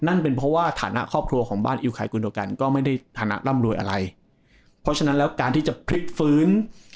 นั่นเป็นเพราะว่าฐานะครอบครัวของบ้านอิวไคกุโดกันก็ไม่ได้ฐานะร่ำรวยอะไรเพราะฉะนั้นแล้วการที่จะพลิกฟื้น